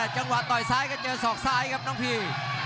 จังหวะต่อยซ้ายก็เจอศอกซ้ายครับน้องพี